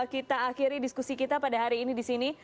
kita akhiri diskusi kita pada hari ini di sini